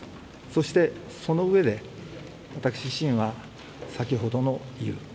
そして、そのうえで私自身は先ほどの理由。